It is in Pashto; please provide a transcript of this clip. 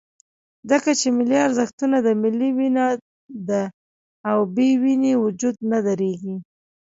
ځکه چې ملي ارزښتونه د ملت وینه ده، او بې وینې وجود نه درېږي.